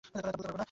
তা বলতে পারব না!